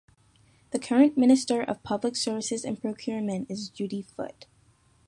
The current Minister of Public Services and Procurement is Judy Foote.